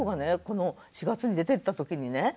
この４月に出てった時にね